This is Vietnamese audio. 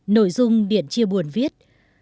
nội dung điện chia buồn viết